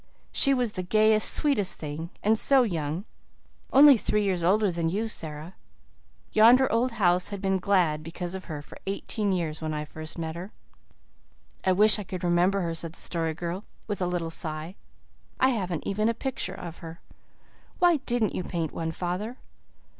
She was the gayest, sweetest thing and so young only three years older than you, Sara. Yonder old house had been glad because of her for eighteen years when I met her first." "I wish I could remember her," said the Story Girl, with a little sigh. "I haven't even a picture of her. Why didn't you paint one, father?"